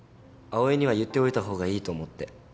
葵には言っておいた方がいいと思って。